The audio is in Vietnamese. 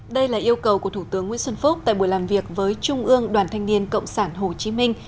đây là yêu cầu của thủ tướng nguyễn xuân phúc tại buổi làm việc với trung ương đoàn thanh niên cộng sản hồ chí minh